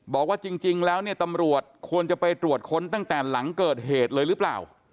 บอกว่าจริงแล้วเนี่ยตำรวจควรจะไปตรวจค้นตั้งแต่หลังเกิดเหตุเลยหรือเปล่า